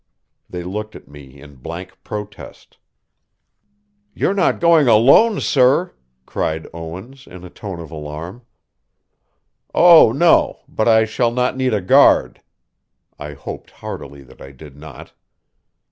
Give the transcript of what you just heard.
They looked at me in blank protest. "You're not going alone, sir?" cried Owens in a tone of alarm. "Oh, no. But I shall not need a guard." I hoped heartily that I did not.